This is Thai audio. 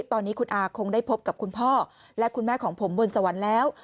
ตอนนี้คุณอาคงได้พบกับคุณพ่อและคุณแม่ของผมบนสวรรค์แล้ว